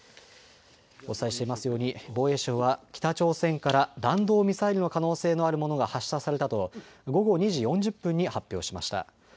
お伝えしていますように防衛省は北朝鮮から弾道ミサイルの可能性のあるものが発射されたと午後２時４０分に発表しました。